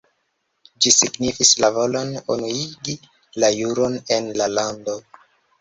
Ĝi signis la volon unuigi la juron en la lando.